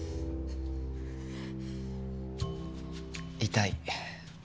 痛い。